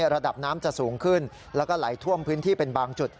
ระดับน้ำจะสูงขึ้นแล้วก็ไหลท่วมพื้นที่เป็นบางจุด